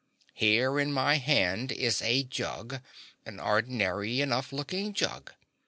Here in my hand is a jug, an ordinary enough looking jug.